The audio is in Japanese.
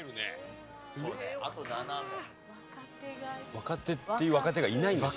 若手っていう若手がいないんですよ。